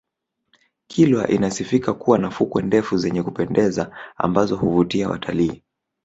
kilwa inasifika kuwa na fukwe ndefu zenye kupendeza ambazo huvutia watalii